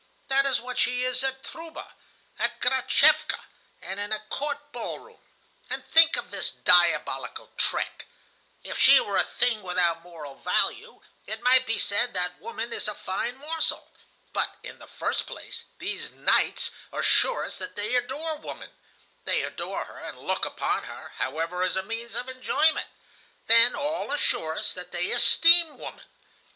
That is what she is at Trouba,[*] at Gratchevka, and in a court ball room. And think of this diabolical trick: if she were a thing without moral value, it might be said that woman is a fine morsel; but, in the first place, these knights assure us that they adore woman (they adore her and look upon her, however, as a means of enjoyment), then all assure us that they esteem woman.